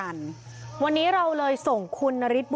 ทั้งหมดนี้คือลูกศิษย์ของพ่อปู่เรศรีนะคะ